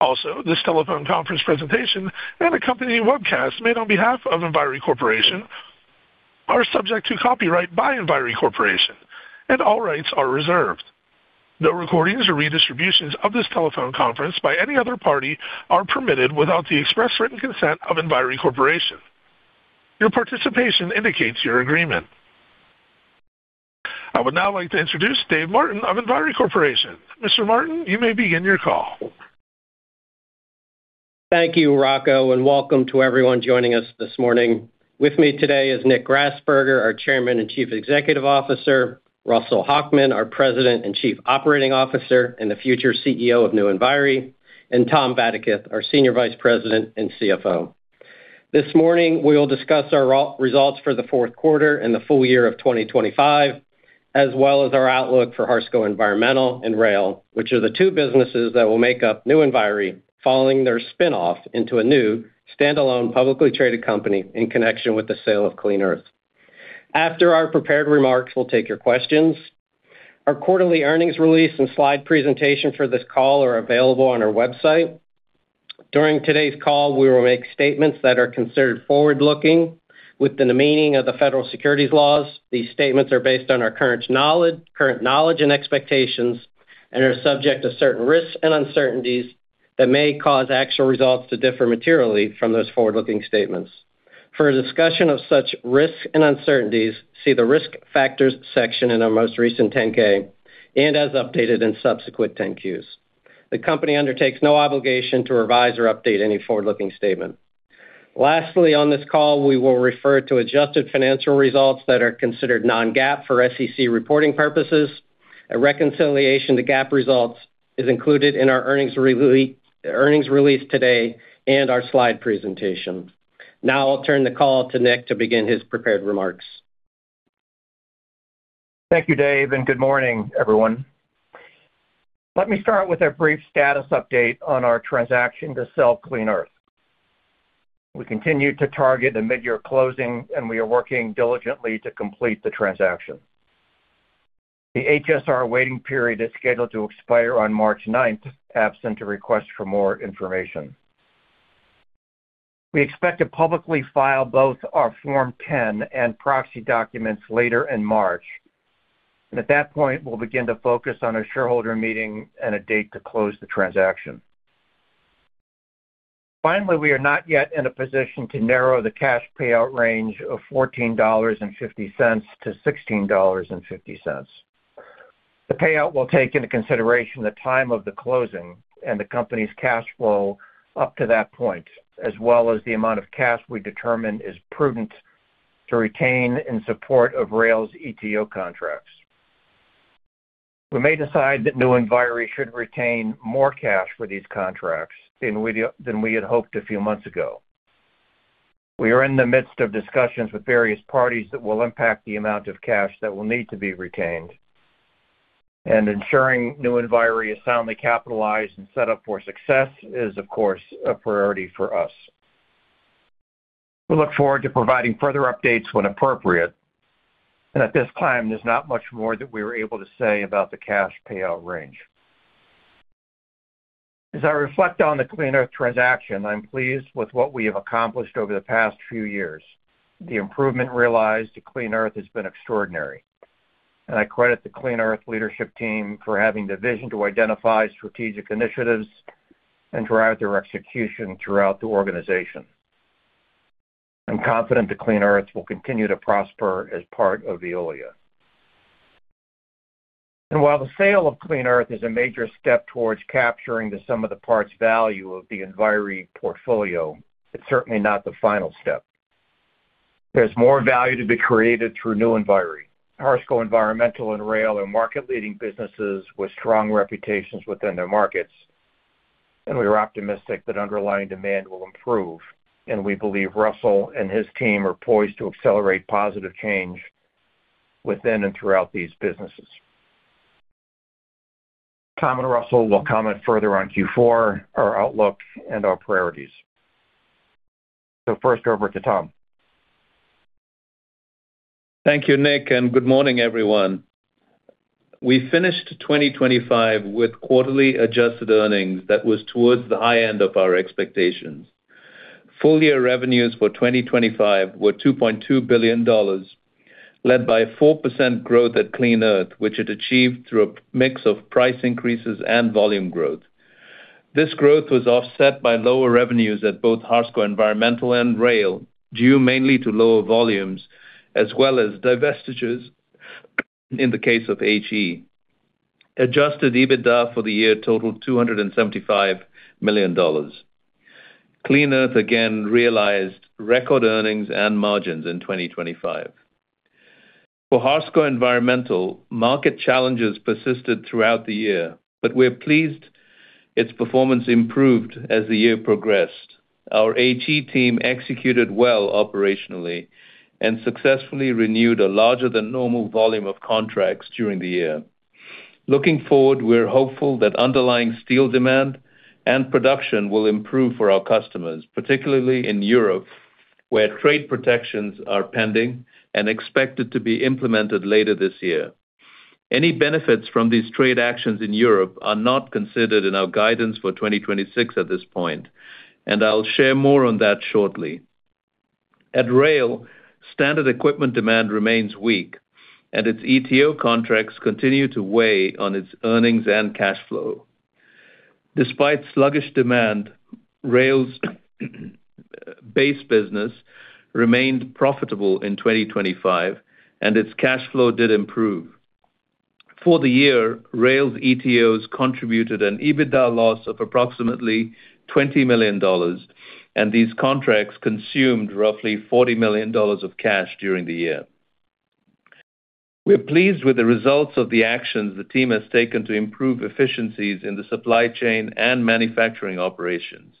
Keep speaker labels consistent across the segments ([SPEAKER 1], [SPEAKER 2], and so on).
[SPEAKER 1] Also, this telephone conference presentation and accompanying webcast made on behalf of Enviri Corporation are subject to copyright by Enviri Corporation, and all rights are reserved. No recordings or redistributions of this telephone conference by any other party are permitted without the express written consent of Enviri Corporation. Your participation indicates your agreement. I would now like to introduce Dave Martin of Enviri Corporation. Mr. Martin, you may begin your call.
[SPEAKER 2] Thank you, Rocco, and welcome to everyone joining us this morning. With me today is Nick Grasberger, our Chairman and Chief Executive Officer, Russell Hochman, our President and Chief Operating Officer, and the future CEO of New Enviri, and Tom Vadaketh, our Senior Vice President and CFO. This morning, we will discuss our re-results for the fourth quarter and the full year of 2025, as well as our outlook for Harsco Environmental and Rail, which are the two businesses that will make up New Enviri, following their spin-off into a new, standalone, publicly traded company in connection with the sale of Clean Earth. After our prepared remarks, we'll take your questions. Our quarterly earnings release and slide presentation for this call are available on our website. During today's call, we will make statements that are considered forward-looking within the meaning of the Federal securities laws. These statements are based on our current knowledge and expectations and are subject to certain risks and uncertainties that may cause actual results to differ materially from those forward-looking statements. For a discussion of such risks and uncertainties, see the Risk Factors section in our most recent 10-K and as updated in subsequent 10-Qs. The company undertakes no obligation to revise or update any forward-looking statement. Lastly, on this call, we will refer to adjusted financial results that are considered non-GAAP for SEC reporting purposes. A reconciliation to GAAP results is included in our earnings release today and our slide presentation. I'll turn the call to Nick to begin his prepared remarks.
[SPEAKER 3] Thank you, Dave, and good morning, everyone. Let me start with a brief status update on our transaction to sell Clean Earth. We continue to target a midyear closing, and we are working diligently to complete the transaction. The HSR waiting period is scheduled to expire on March ninth, absent a request for more information. We expect to publicly file both our Form 10 and proxy documents later in March. At that point, we'll begin to focus on a shareholder meeting and a date to close the transaction. Finally, we are not yet in a position to narrow the cash payout range of $14.50-$16.50. The payout will take into consideration the time of the closing and the company's cash flow up to that point, as well as the amount of cash we determine is prudent to retain in support of Rail's ETO contracts. We may decide that New Enviri should retain more cash for these contracts than we had hoped a few months ago. We are in the midst of discussions with various parties that will impact the amount of cash that will need to be retained. Ensuring New Enviri is soundly capitalized and set up for success is, of course, a priority for us. At this time, there's not much more that we are able to say about the cash payout range. As I reflect on the Clean Earth transaction, I'm pleased with what we have accomplished over the past few years. The improvement realized at Clean Earth has been extraordinary, and I credit the Clean Earth leadership team for having the vision to identify strategic initiatives and drive their execution throughout the organization. I'm confident that Clean Earth will continue to prosper as part of Veolia. While the sale of Clean Earth is a major step towards capturing the sum of the parts value of the Enviri portfolio, it's certainly not the final step. There's more value to be created through New Enviri. Harsco Environmental and Rail are market-leading businesses with strong reputations within their markets, and we are optimistic that underlying demand will improve, and we believe Russell and his team are poised to accelerate positive change within and throughout these businesses. Tom and Russell will comment further on Q4, our outlook, and our priorities. First over to Tom.
[SPEAKER 4] Thank you, Nick. Good morning, everyone. We finished 2025 with quarterly adjusted earnings that was towards the high end of our expectations. Full-year revenues for 2025 were $2.2 billion, led by a 4% growth at Clean Earth, which it achieved through a mix of price increases and volume growth. This growth was offset by lower revenues at both Harsco Environmental and Rail, due mainly to lower volumes as well as divestitures in the case of HE. Adjusted EBITDA for the year totaled $275 million. Clean Earth again realized record earnings and margins in 2025. For Harsco Environmental, market challenges persisted throughout the year, but we're pleased its performance improved as the year progressed. Our HE team executed well operationally and successfully renewed a larger-than-normal volume of contracts during the year. Looking forward, we're hopeful that underlying steel demand and production will improve for our customers, particularly in Europe. Where trade protections are pending and expected to be implemented later this year. Any benefits from these trade actions in Europe are not considered in our guidance for 2026 at this point, and I'll share more on that shortly. At Rail, standard equipment demand remains weak, and its ETO contracts continue to weigh on its earnings and cash flow. Despite sluggish demand, Rail's base business remained profitable in 2025, and its cash flow did improve. For the year, Rail's ETOs contributed an EBITDA loss of approximately $20 million, and these contracts consumed roughly $40 million of cash during the year. We are pleased with the results of the actions the team has taken to improve efficiencies in the supply chain and manufacturing operations.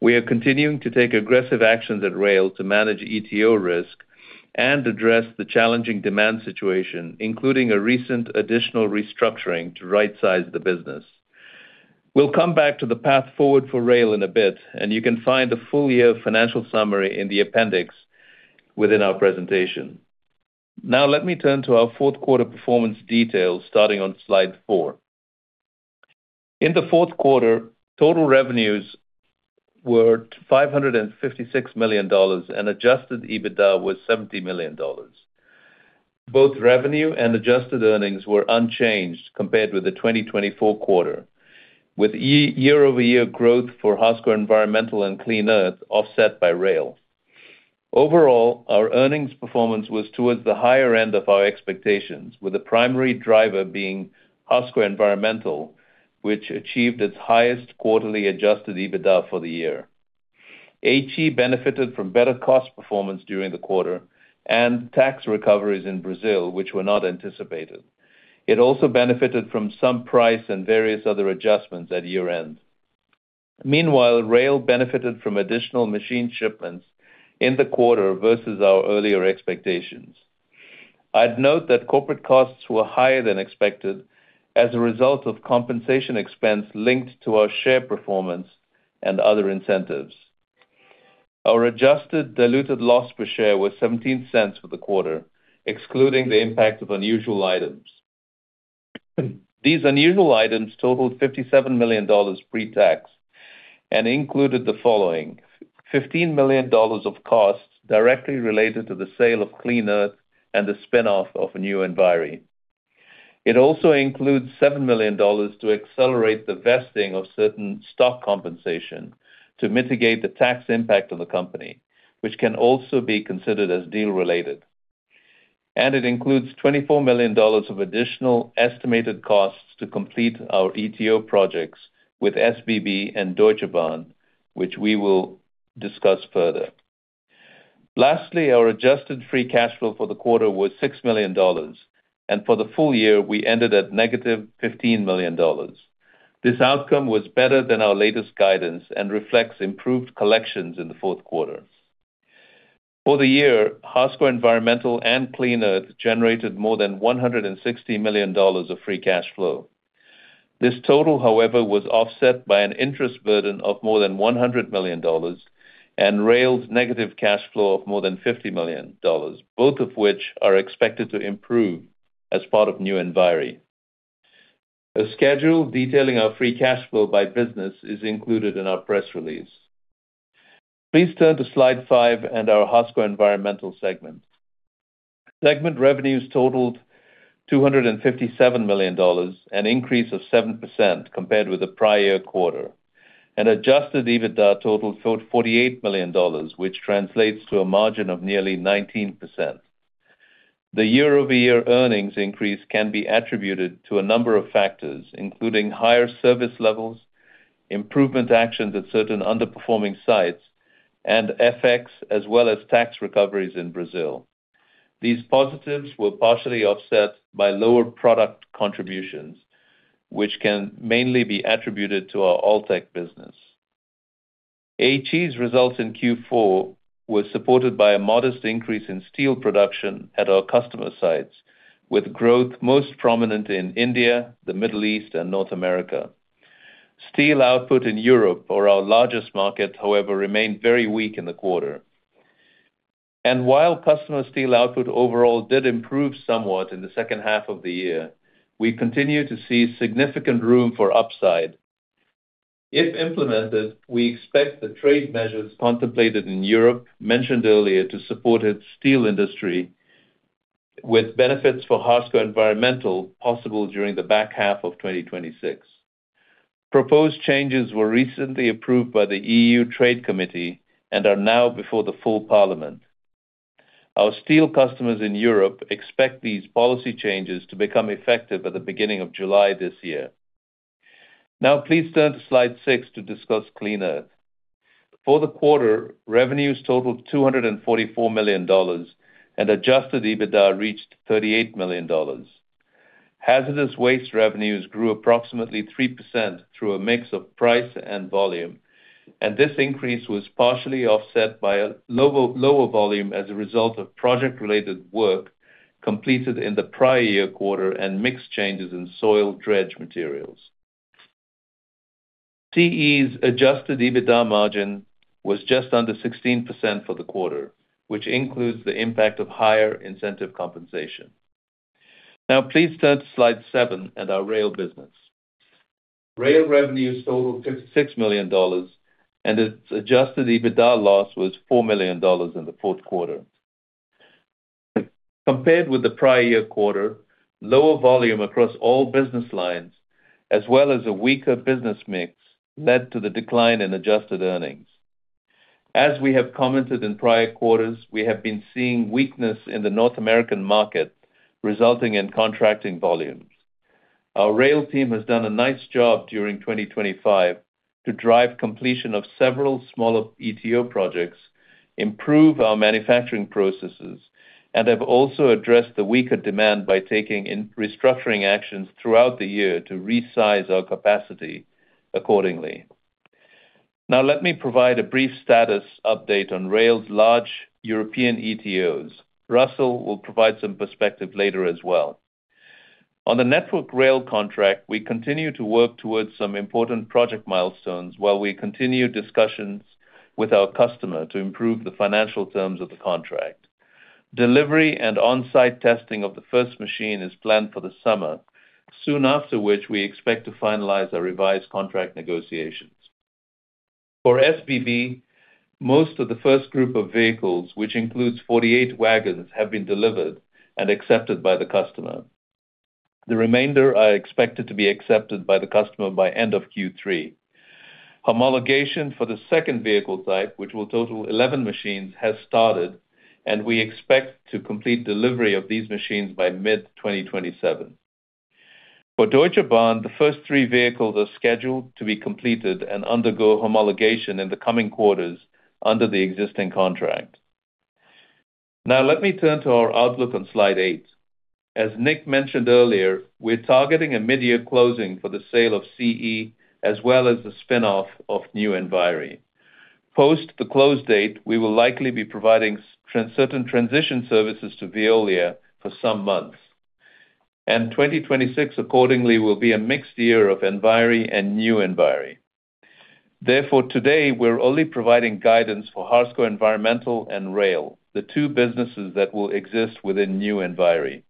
[SPEAKER 4] We are continuing to take aggressive actions at Rail to manage ETO risk and address the challenging demand situation, including a recent additional restructuring to rightsize the business. We'll come back to the path forward for Rail in a bit, and you can find a full year financial summary in the appendix within our presentation. Let me turn to our fourth quarter performance details, starting on slide 4. In the fourth quarter, total revenues were $556 million, and adjusted EBITDA was $70 million. Both revenue and adjusted earnings were unchanged compared with the 2024 quarter, with year-over-year growth for Harsco Environmental and Clean Earth offset by Rail. Our earnings performance was towards the higher end of our expectations, with the primary driver being Harsco Environmental, which achieved its highest quarterly adjusted EBITDA for the year. HE benefited from better cost performance during the quarter and tax recoveries in Brazil, which were not anticipated. It also benefited from some price and various other adjustments at year-end. Meanwhile, Rail benefited from additional machine shipments in the quarter versus our earlier expectations. I'd note that corporate costs were higher than expected as a result of compensation expense linked to our share performance and other incentives. Our adjusted diluted loss per share was $0.17 for the quarter, excluding the impact of unusual items. These unusual items totaled $57 million pre-tax and included the following: $15 million of costs directly related to the sale of Clean Earth and the spin-off of New Enviri. It also includes $7 million to accelerate the vesting of certain stock compensation to mitigate the tax impact of the company, which can also be considered as deal-related. It includes $24 million of additional estimated costs to complete our ETO projects with SBB and Deutsche Bahn, which we will discuss further. Lastly, our adjusted free cash flow for the quarter was $6 million, and for the full year, we ended at -$15 million. This outcome was better than our latest guidance and reflects improved collections in the fourth quarter. For the year, Harsco Environmental and Clean Earth generated more than $160 million of free cash flow. This total, however, was offset by an interest burden of more than $100 million and Rail's negative cash flow of more than $50 million, both of which are expected to improve as part of New Enviri. A schedule detailing our free cash flow by business is included in our press release. Please turn to slide 5 and our Harsco Environmental segment. Segment revenues totaled $257 million, an increase of 7% compared with the prior year quarter. Adjusted EBITDA totaled $48 million, which translates to a margin of nearly 19%. The year-over-year earnings increase can be attributed to a number of factors, including higher service levels, improvement actions at certain underperforming sites, and FX, as well as tax recoveries in Brazil. These positives were partially offset by lower product contributions, which can mainly be attributed to our ALTEK business. HE's results in Q4 were supported by a modest increase in steel production at our customer sites, with growth most prominent in India, the Middle East, and North America. Steel output in Europe, or our largest market, however, remained very weak in the quarter. While customer steel output overall did improve somewhat in the second half of the year, we continue to see significant room for upside. If implemented, we expect the trade measures contemplated in Europe mentioned earlier to support its steel industry with benefits for Harsco Environmental possible during the back half of 2026. Proposed changes were recently approved by the EU Trade Committee and are now before the full parliament. Our steel customers in Europe expect these policy changes to become effective at the beginning of July this year. Please turn to slide 6 to discuss Clean Earth. For the quarter, revenues totaled $244 million, and adjusted EBITDA reached $38 million. Hazardous waste revenues grew approximately 3% through a mix of price and volume, and this increase was partially offset by a lower volume as a result of project-related work completed in the prior year quarter and mix changes in soil dredged materials. Clean Earth's adjusted EBITDA margin was just under 16% for the quarter, which includes the impact of higher incentive compensation. Now, please turn to Slide 7 and our Rail business. Rail revenues totaled $56 million, and its adjusted EBITDA loss was $4 million in the fourth quarter. Compared with the prior year quarter, lower volume across all business lines, as well as a weaker business mix, led to the decline in adjusted earnings. As we have commented in prior quarters, we have been seeing weakness in the North American market, resulting in contracting volumes. Our Rail team has done a nice job during 2025 to drive completion of several smaller ETO projects, improve our manufacturing processes, and have also addressed the weaker demand by taking in restructuring actions throughout the year to resize our capacity accordingly. Let me provide a brief status update on Rail's large European ETOs. Russell will provide some perspective later as well. On the Network Rail contract, we continue to work towards some important project milestones, while we continue discussions with our customer to improve the financial terms of the contract. Delivery and on-site testing of the first machine is planned for the summer, soon after which we expect to finalize our revised contract negotiations. For SBB, most of the first group of vehicles, which includes 48 wagons, have been delivered and accepted by the customer. The remainder are expected to be accepted by the customer by end of Q3. Homologation for the second vehicle type, which will total 11 machines, has started, and we expect to complete delivery of these machines by mid-2027. For Deutsche Bahn, the first three vehicles are scheduled to be completed and undergo homologation in the coming quarters under the existing contract. Now, let me turn to our outlook on Slide eight. As Nick mentioned earlier, we're targeting a mid-year closing for the sale of CE, as well as the spin-off of New Enviri. Post the close date, we will likely be providing certain transition services to Veolia for some months. 2026 accordingly, will be a mixed year of Enviri and New Enviri. Therefore, today, we're only providing guidance for Harsco Environmental and Rail, the two businesses that will exist within New Enviri.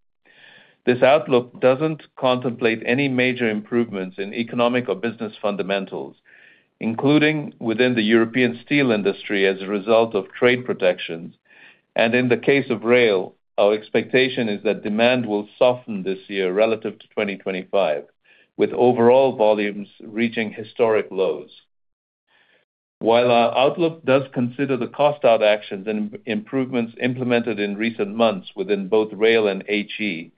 [SPEAKER 4] This outlook doesn't contemplate any major improvements in economic or business fundamentals, including within the European steel industry as a result of trade protections. In the case of rail, our expectation is that demand will soften this year relative to 2025, with overall volumes reaching historic lows. While our outlook does consider the cost-out actions and improvements implemented in recent months within both rail and HE,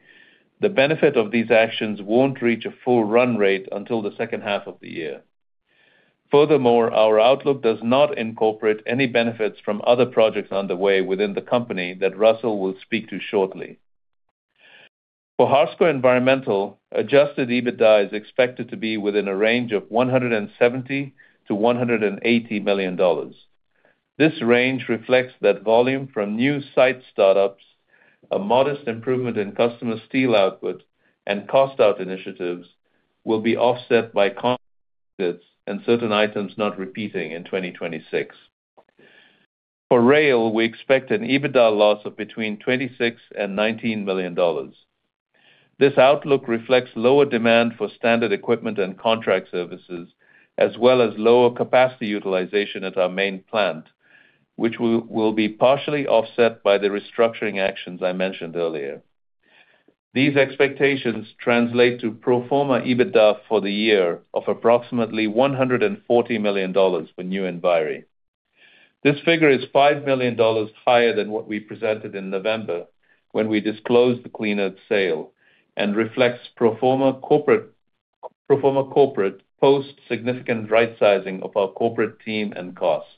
[SPEAKER 4] the benefit of these actions won't reach a full run rate until the second half of the year. Furthermore, our outlook does not incorporate any benefits from other projects underway within the company that Russell will speak to shortly. For Harsco Environmental, adjusted EBITDA is expected to be within a range of $170 million-$180 million. This range reflects that volume from new site startups, a modest improvement in customer steel output, and cost out initiatives will be offset by costs, and certain items not repeating in 2026. For rail, we expect an EBITDA loss of between $26 million and $19 million. This outlook reflects lower demand for standard equipment and contract services, as well as lower capacity utilization at our main plant, which will be partially offset by the restructuring actions I mentioned earlier. These expectations translate to pro forma EBITDA for the year of approximately $140 million for New Enviri. This figure is $5 million higher than what we presented in November, when we disclosed the Clean Earth sale and reflects pro forma corporate, post significant rightsizing of our corporate team and costs.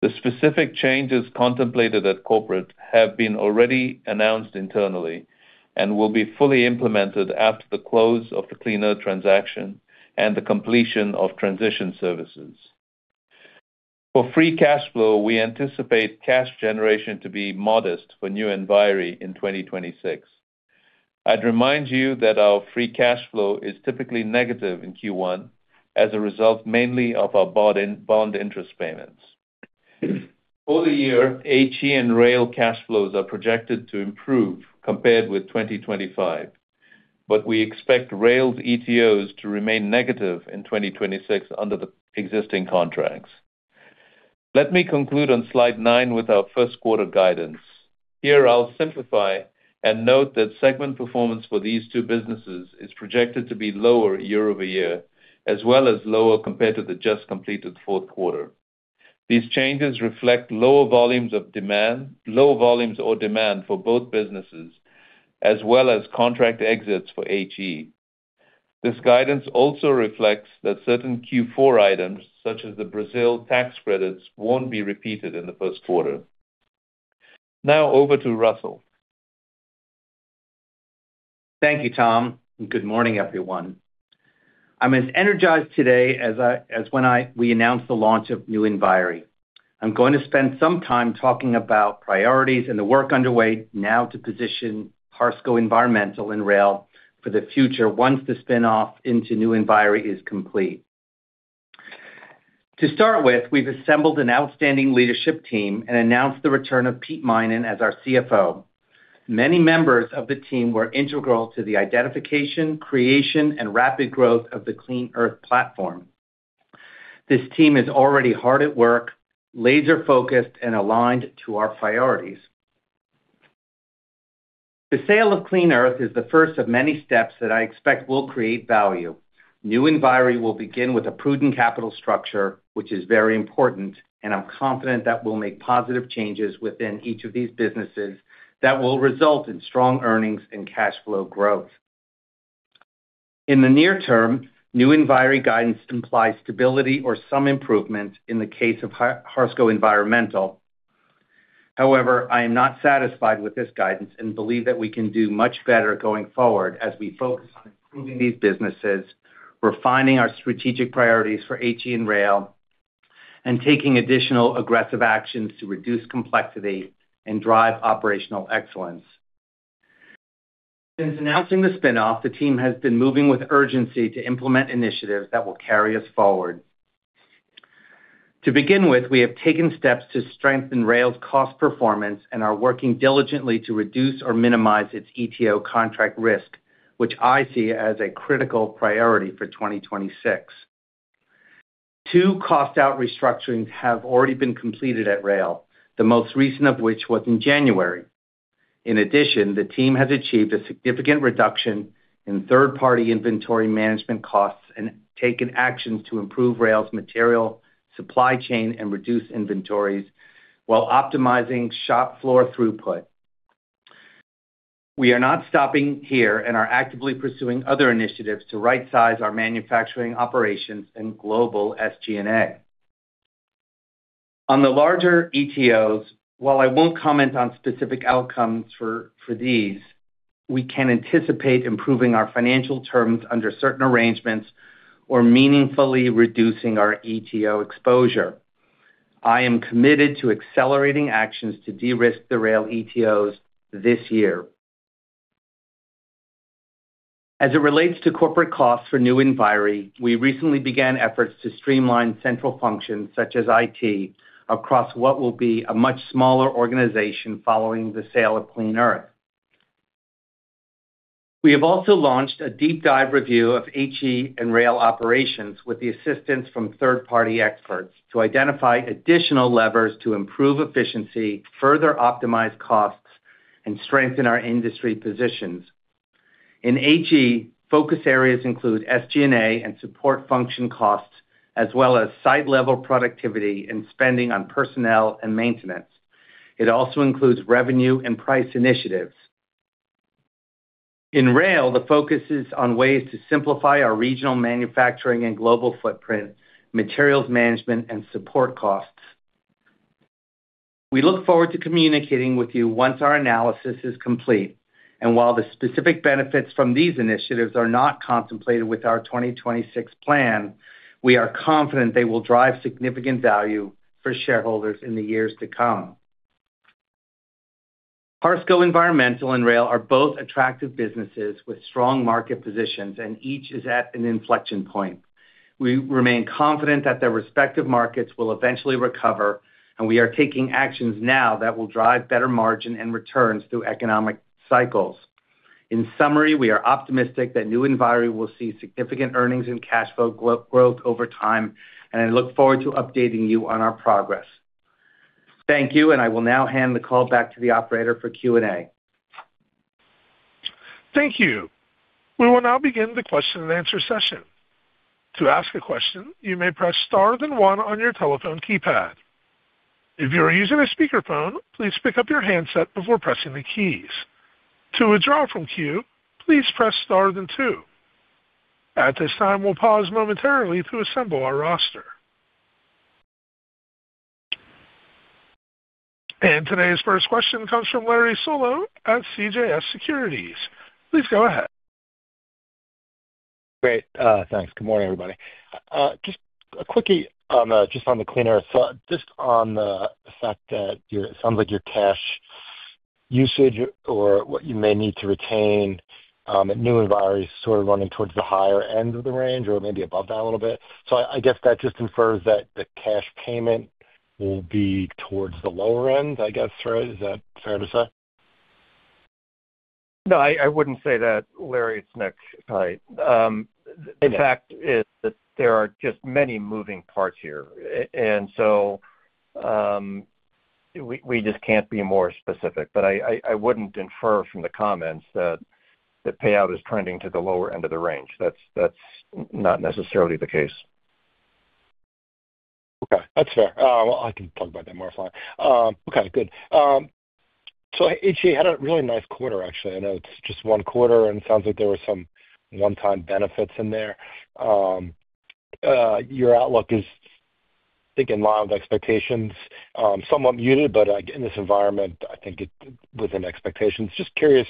[SPEAKER 4] The specific changes contemplated at corporate have been already announced internally and will be fully implemented after the close of the Clean Earth transaction and the completion of transition services. For free cash flow, we anticipate cash generation to be modest for New Enviri in 2026. I'd remind you that our free cash flow is typically negative in Q1 as a result, mainly of our bond interest payments. For the year, HE and rail cash flows are projected to improve compared with 2025, but we expect rail's ETOs to remain negative in 2026 under the existing contracts. Let me conclude on Slide 9 with our first quarter guidance. Here, I'll simplify and note that segment performance for these two businesses is projected to be lower year-over-year, as well as lower compared to the just completed fourth quarter. These changes reflect lower volumes or demand for both businesses, as well as contract exits for HE. This guidance also reflects that certain Q4 items, such as the Brazil tax credits, won't be repeated in the first quarter. Over to Russell.
[SPEAKER 5] Thank you, Tom. Good morning, everyone. I'm as energized today as when we announced the launch of New Enviri. I'm going to spend some time talking about priorities and the work underway now to position Harsco Environmental and Rail for the future once the spin-off into New Enviri is complete. To start with, we've assembled an outstanding leadership team and announced the return of Pete Minan as our CFO. Many members of the team were integral to the identification, creation, and rapid growth of the Clean Earth platform. This team is already hard at work, laser-focused, and aligned to our priorities. The sale of Clean Earth is the first of many steps that I expect will create value. New Enviri will begin with a prudent capital structure, which is very important. I'm confident that we'll make positive changes within each of these businesses that will result in strong earnings and cash flow growth. In the near term, New Enviri guidance implies stability or some improvement in the case of Harsco Environmental. However, I am not satisfied with this guidance and believe that we can do much better going forward as we focus on improving these businesses, refining our strategic priorities for HE and Rail, and taking additional aggressive actions to reduce complexity and drive operational excellence. Since announcing the spin-off, the team has been moving with urgency to implement initiatives that will carry us forward. To begin with, we have taken steps to strengthen Rail's cost performance and are working diligently to reduce or minimize its ETO contract risk, which I see as a critical priority for 2026. Two cost-out restructurings have already been completed at Rail, the most recent of which was in January. In addition, the team has achieved a significant reduction in third-party inventory management costs and taken actions to improve Rail's material supply chain and reduce inventories while optimizing shop floor throughput. We are not stopping here and are actively pursuing other initiatives to rightsize our manufacturing operations and global SG&A. On the larger ETOs, while I won't comment on specific outcomes for these, we can anticipate improving our financial terms under certain arrangements or meaningfully reducing our ETO exposure. I am committed to accelerating actions to de-risk the Rail ETOs this year. As it relates to corporate costs for New Enviri, we recently began efforts to streamline central functions, such as IT, across what will be a much smaller organization following the sale of Clean Earth. We have also launched a deep dive review of HE and Rail operations with the assistance from third-party experts to identify additional levers to improve efficiency, further optimize costs, and strengthen our industry positions. In HE, focus areas include SG&A and support function costs, as well as site-level productivity and spending on personnel and maintenance. It also includes revenue and price initiatives. In Rail, the focus is on ways to simplify our regional manufacturing and global footprint, materials management, and support costs. We look forward to communicating with you once our analysis is complete. While the specific benefits from these initiatives are not contemplated with our 2026 plan, we are confident they will drive significant value for shareholders in the years to come. Harsco Environmental and Rail are both attractive businesses with strong market positions, and each is at an inflection point. We remain confident that their respective markets will eventually recover, and we are taking actions now that will drive better margin and returns through economic cycles. In summary, we are optimistic that New Enviri will see significant earnings and cash flow growth over time, and I look forward to updating you on our progress. Thank you, and I will now hand the call back to the operator for Q&A.
[SPEAKER 1] Thank you. We will now begin the question-and-answer session. To ask a question, you may press star then one on your telephone keypad. If you are using a speakerphone, please pick up your handset before pressing the keys. To withdraw from queue, please press star then two. At this time, we'll pause momentarily to assemble our roster. Today's first question comes from Larry Solow at CJS Securities. Please go ahead.
[SPEAKER 6] Great, thanks. Good morning, everybody. Just a quickie on, just on the Clean Earth. Just on the fact that it sounds like your cash usage or what you may need to retain, at New Enviri is sort of running towards the higher end of the range or maybe above that a little bit. I guess that just infers that the cash payment will be towards the lower end, I guess, right? Is that fair to say?
[SPEAKER 3] No, I wouldn't say that, Larry, it's Nick, right. In fact, there are just many moving parts here. We just can't be more specific. I wouldn't infer from the comments that the payout is trending to the lower end of the range. That's not necessarily the case.
[SPEAKER 6] Okay. That's fair. Well, I can talk about that more. Okay, good. HE had a really nice quarter, actually. I know it's just one quarter, and it sounds like there were some one-time benefits in there. Your outlook is, I think, in line with expectations, somewhat muted, but, again, in this environment, I think it's within expectations. Just curious,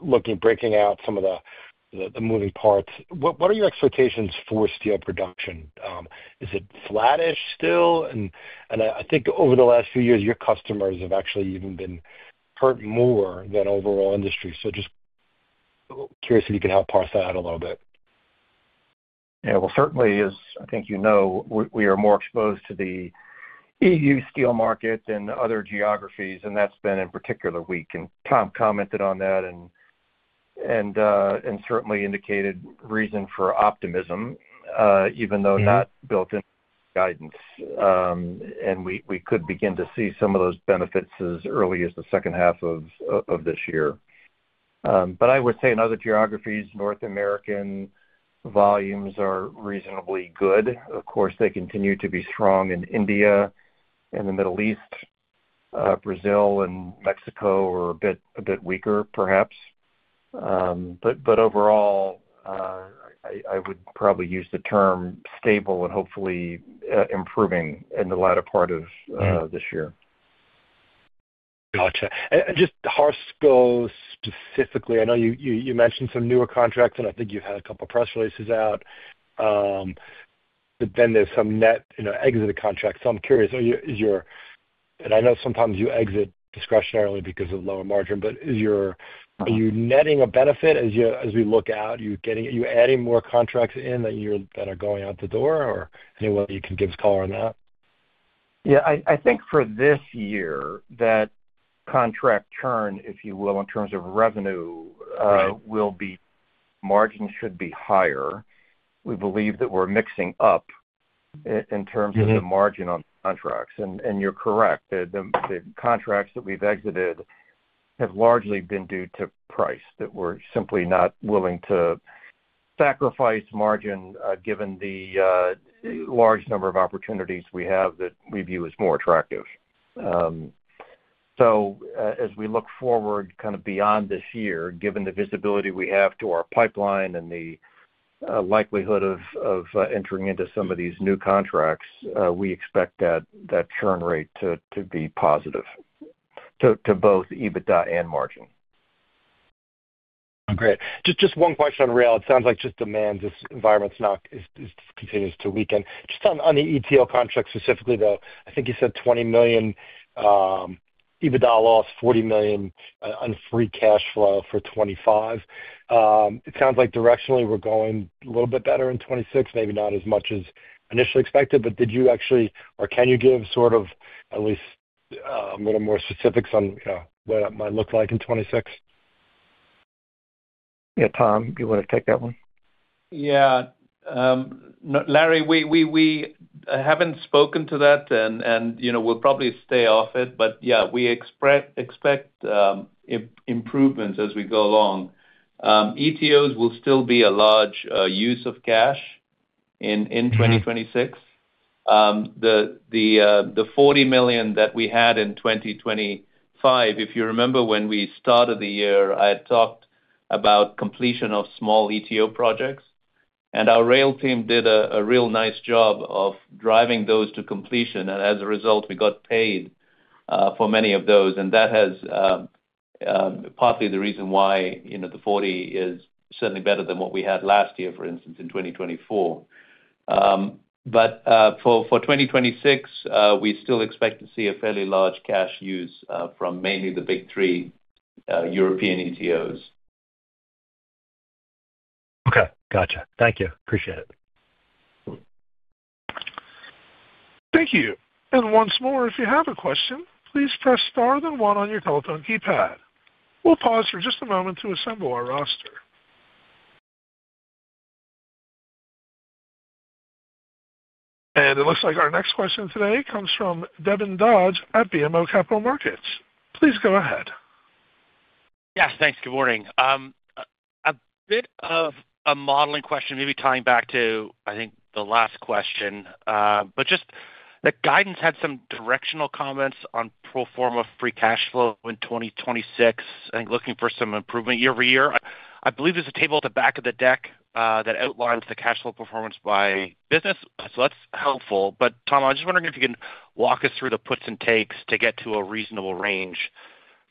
[SPEAKER 6] looking, breaking out some of the moving parts, what are your expectations for steel production? Is it flattish still? I think over the last few years, your customers have actually even been hurt more than overall industry. Just curious if you could help parse that out a little bit.
[SPEAKER 3] Yeah, well, certainly, as I think you know, we are more exposed to the EU steel market than other geographies, and that's been in particular weak. Tom commented on that and certainly indicated reason for optimism, even though not built in guidance. We could begin to see some of those benefits as early as the second half of this year. I would say in other geographies, North American volumes are reasonably good. Of course, they continue to be strong in India and the Middle East. Brazil and Mexico are a bit weaker, perhaps. Overall, I would probably use the term stable and hopefully improving in the latter part of this year.
[SPEAKER 6] Gotcha. Just Harsco specifically, I know you mentioned some newer contracts, and I think you had a couple press releases out. There's some net, you know, exited contracts. I'm curious, are you, is your and I know sometimes you exit discretionarily because of lower margin, but is your are you netting a benefit as you, as we look out? Are you adding more contracts in than you're, than are going out the door, or anyone you can give us color on that?
[SPEAKER 3] Yeah, I think for this year, that contract churn, if you will, in terms of revenue.
[SPEAKER 6] Right.
[SPEAKER 3] will be, margin should be higher. We believe that we're mixing up in terms of.
[SPEAKER 6] Mm-hmm
[SPEAKER 3] the margin on contracts. You're correct, the contracts that we've exited have largely been due to price, that we're simply not willing to sacrifice margin, given the large number of opportunities we have that we view as more attractive. As we look forward kind of beyond this year, given the visibility we have to our pipeline and the likelihood of entering into some of these new contracts, we expect that churn rate to be positive to both EBITDA and margin.
[SPEAKER 6] Great. Just one question on rail. It sounds like just demand, this environment's not, is, continues to weaken. Just on the ETO contract specifically, though, I think you said $20 million EBITDA loss, $40 million on free cash flow for 2025. It sounds like directionally we're going a little bit better in 2026, maybe not as much as initially expected, but did you actually, or can you give sort of at least a little more specifics on what that might look like in 2026?
[SPEAKER 3] Yeah, Tom, do you want to take that one?
[SPEAKER 4] Yeah. No, Larry, we haven't spoken to that, and, you know, we'll probably stay off it. Yeah, we expect improvements as we go along. ETOs will still be a large use of cash in 2026.
[SPEAKER 6] Mm-hmm.
[SPEAKER 4] The $40 million that we had in 2025, if you remember, when we started the year, I had talked about completion of small ETO projects, and our rail team did a real nice job of driving those to completion. As a result, we got paid for many of those. That has partly the reason why, you know, the $40 is certainly better than what we had last year, for instance, in 2024. For 2026, we still expect to see a fairly large cash use from mainly the big three European ETOs.
[SPEAKER 6] Okay, gotcha. Thank you. Appreciate it.
[SPEAKER 1] Thank you. Once more, if you have a question, please press Star then one on your telephone keypad. We'll pause for just a moment to assemble our roster. It looks like our next question today comes from Devin Dodge at BMO Capital Markets. Please go ahead.
[SPEAKER 7] Yes, thanks. Good morning. A bit of a modeling question, maybe tying back to, I think, the last question. Just the guidance had some directional comments on pro forma free cash flow in 2026 and looking for some improvement year-over-year. I believe there's a table at the back of the deck, that outlines the cash flow performance by business, so that's helpful. Tom, I was just wondering if you can walk us through the puts and takes to get to a reasonable range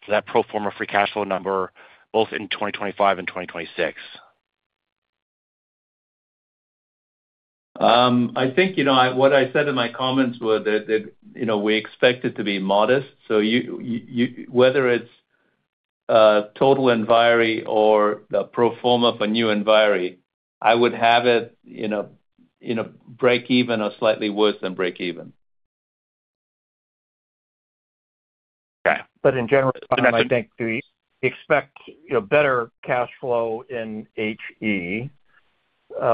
[SPEAKER 7] for that pro forma free cash flow number, both in 2025 and 2026.
[SPEAKER 4] I think, you know, what I said in my comments were that, you know, we expect it to be modest. You, whether it's total Enviri or the pro forma for New Enviri, I would have it in a break even or slightly worse than break even.
[SPEAKER 7] Okay.
[SPEAKER 3] In general, I think we expect, you know, better cash flow in HE,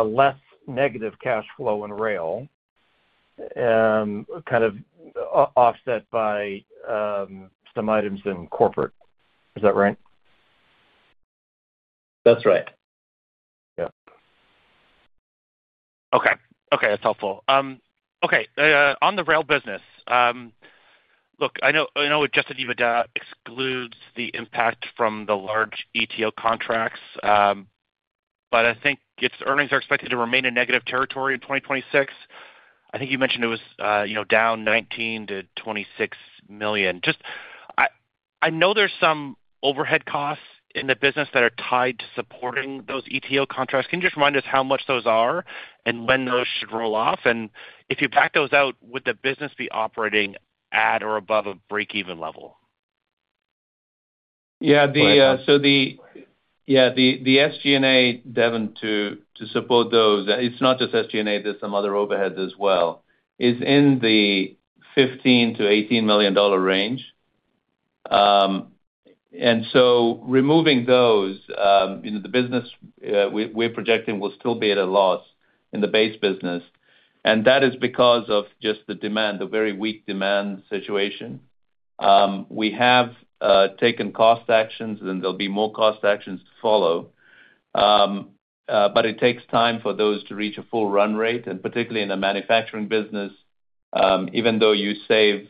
[SPEAKER 3] less negative cash flow in Rail, kind of offset by some items in corporate. Is that right?
[SPEAKER 4] That's right.
[SPEAKER 3] Yeah.
[SPEAKER 7] Okay, that's helpful. Okay, on the rail business, look, I know, I know adjusted EBITDA excludes the impact from the large ETO contracts, I think its earnings are expected to remain in negative territory in 2026. I think you mentioned it was down $19 million-$26 million. I know there's some overhead costs in the business that are tied to supporting those ETO contracts. Can you just remind us how much those are and when those should roll off? And if you back those out, would the business be operating at or above a breakeven level?
[SPEAKER 4] The SG&A, Devin, to support those, it's not just SG&A, there's some other overheads as well, is in the $15 million-$18 million range. Removing those, you know, the business, we're projecting will still be at a loss in the base business, and that is because of just the demand, the very weak demand situation. We have taken cost actions, and there'll be more cost actions to follow. It takes time for those to reach a full run rate, and particularly in the manufacturing business, even though you save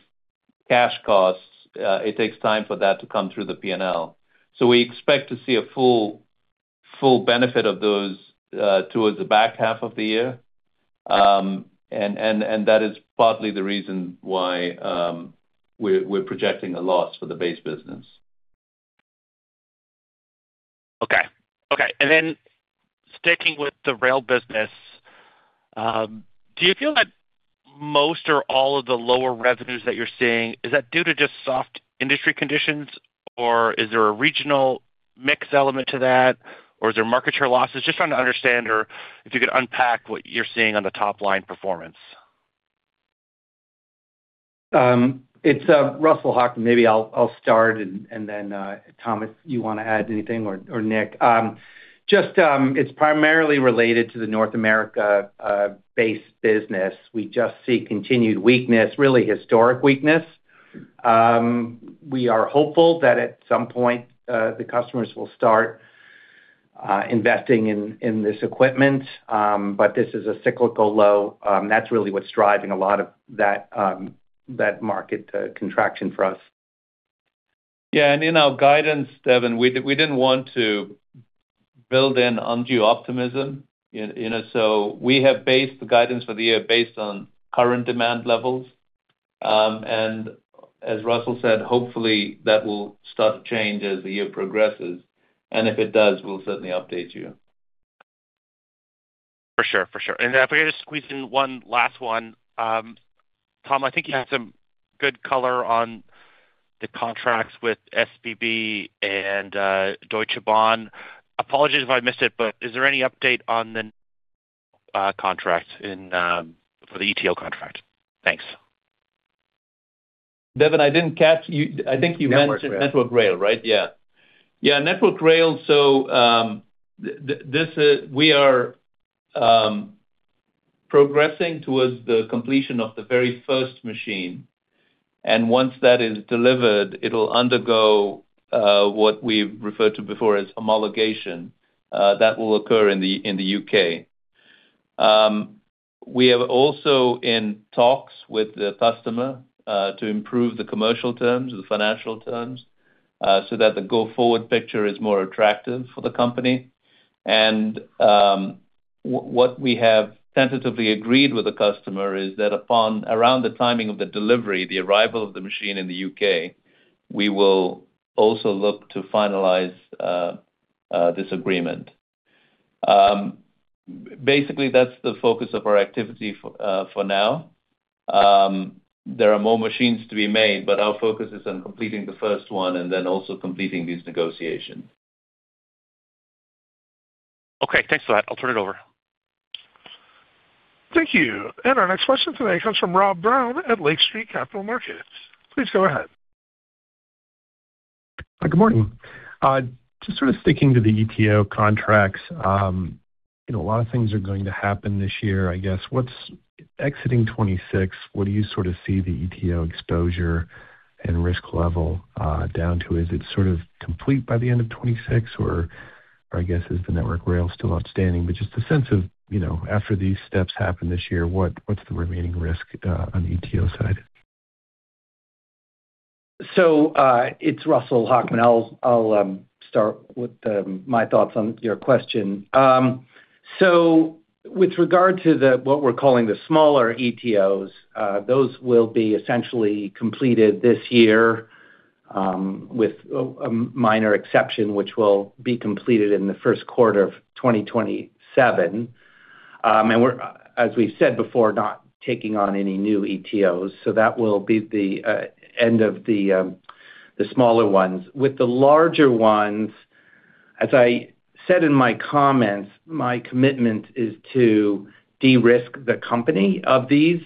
[SPEAKER 4] cash costs, it takes time for that to come through the P&L. We expect to see a full benefit of those towards the back half of the year. That is partly the reason why, we're projecting a loss for the base business.
[SPEAKER 7] Okay. Okay, sticking with the rail business, do you feel that most or all of the lower revenues that you're seeing, is that due to just soft industry conditions, or is there a regional mix element to that, or is there market share losses? Just trying to understand, or if you could unpack what you're seeing on the top-line performance.
[SPEAKER 5] It's Russell Hochman. Maybe I'll start and then Tom, if you want to add anything or Nick. Just, it's primarily related to the North America base business. We just see continued weakness, really historic weakness. We are hopeful that at some point the customers will start investing in this equipment, but this is a cyclical low, that's really what's driving a lot of that market contraction for us.
[SPEAKER 4] Yeah, and in our guidance, Devin, we didn't want to build in undue optimism, you know, so we have based the guidance for the year based on current demand levels. And as Russell said, hopefully, that will start to change as the year progresses, and if it does, we'll certainly update you.
[SPEAKER 7] For sure. For sure. If I could just squeeze in one last one. Tom, I think you had some good color on the contracts with SBB and Deutsche Bahn. Apologies if I missed it, but is there any update on the contract in for the ETO contract? Thanks.
[SPEAKER 4] Devin, I didn't catch you. I think you meant Network Rail, right? Yeah, Network Rail, so this we are progressing towards the completion of the very first machine, and once that is delivered, it'll undergo what we've referred to before as homologation, that will occur in the U.K. We are also in talks with the customer to improve the commercial terms, the financial terms, so that the go-forward picture is more attractive for the company. What we have tentatively agreed with the customer is that upon around the timing of the delivery, the arrival of the machine in the U.K., we will also look to finalize this agreement. Basically, that's the focus of our activity for now. There are more machines to be made, but our focus is on completing the first one and then also completing these negotiations.
[SPEAKER 7] Okay, thanks for that. I'll turn it over.
[SPEAKER 1] Thank you. Our next question today comes from Rob Brown at Lake Street Capital Markets. Please go ahead.
[SPEAKER 8] Hi, good morning. Just sort of sticking to the ETO contracts, you know, a lot of things are going to happen this year. I guess, what's exiting 26, what do you sort of see the ETO exposure and risk level, down to? Is it sort of complete by the end of 26, or I guess, is the Network Rail still outstanding? Just a sense of, you know, after these steps happen this year, what's the remaining risk, on the ETO side?
[SPEAKER 5] It's Russell Hochman. I'll start with my thoughts on your question. With regard to the, what we're calling the smaller ETOs, those will be essentially completed this year, with a minor exception, which will be completed in the first quarter of 2027. We're, as we said before, not taking on any new ETOs, that will be the end of the smaller ones. With the larger ones, as I said in my comments, my commitment is to de-risk the company of these.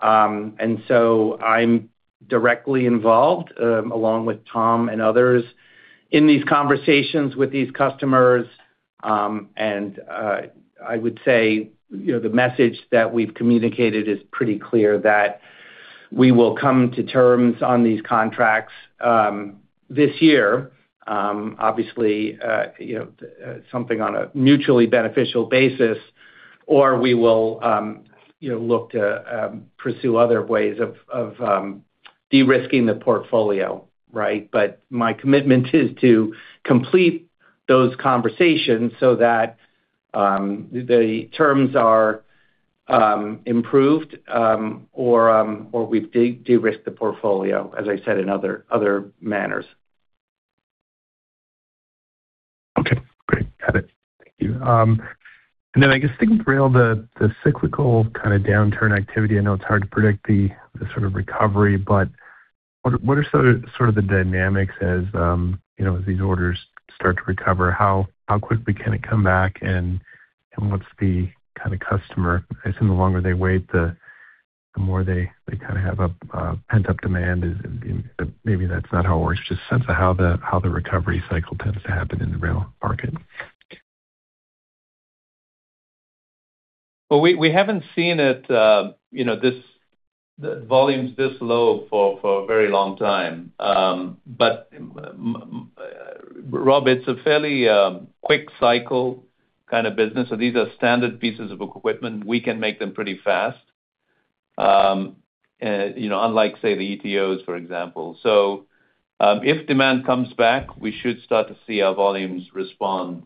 [SPEAKER 5] I'm directly involved, along with Tom and others, in these conversations with these customers. I would say, you know, the message that we've communicated is pretty clear that we will come to terms on these contracts this year. obviously, you know, something on a mutually beneficial basis, or we will, you know, look to pursue other ways of de-risking the portfolio, right?... those conversations so that the terms are improved or we derisk the portfolio, as I said, in other manners.
[SPEAKER 8] Okay, great. Got it. Thank you. Then I guess thinking through all the cyclical kind of downturn activity, I know it's hard to predict the sort of recovery, but what are sort of the dynamics as, you know, these orders start to recover? How quickly can it come back, and what's the kind of customer? I assume the longer they wait, the more they kind of have a pent-up demand. Maybe that's not how it works, just sense of how the recovery cycle tends to happen in the real market?
[SPEAKER 4] Well, we haven't seen it, you know, the volumes this low for a very long time. Rob, it's a fairly quick cycle kind of business. These are standard pieces of equipment. We can make them pretty fast. You know, unlike, say, the ETOs, for example. If demand comes back, we should start to see our volumes respond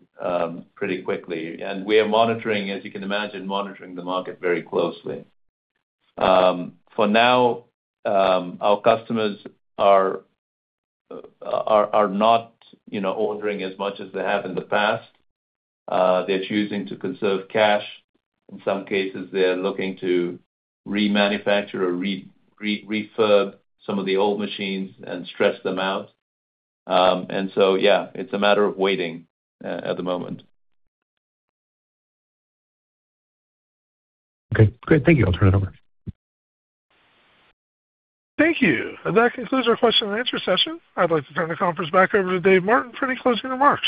[SPEAKER 4] pretty quickly. We are monitoring, as you can imagine, the market very closely. For now, our customers are not, you know, ordering as much as they have in the past. They're choosing to conserve cash. In some cases, they're looking to remanufacture or re-refurb some of the old machines and stretch them out. Yeah, it's a matter of waiting at the moment.
[SPEAKER 8] Okay, great. Thank you. I'll turn it over.
[SPEAKER 1] Thank you. That concludes our question and answer session. I'd like to turn the conference back over to Dave Martin for any closing remarks.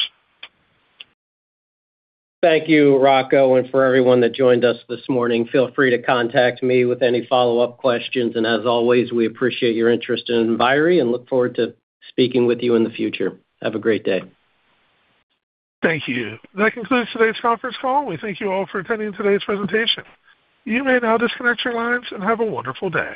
[SPEAKER 2] Thank you, Rocco, and for everyone that joined us this morning. Feel free to contact me with any follow-up questions. As always, we appreciate your interest in Enviri and look forward to speaking with you in the future. Have a great day.
[SPEAKER 1] Thank you. That concludes today's conference call. We thank you all for attending today's presentation. You may now disconnect your lines and have a wonderful day.